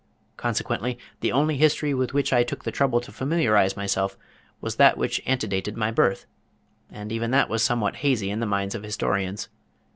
Consequently the only history with which I took the trouble to familiarize myself was that which ante dated my birth, and even that was somewhat hazy in the minds of historians.